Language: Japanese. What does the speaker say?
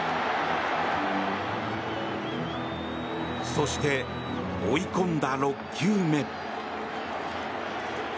そして、追い込んだ６球目。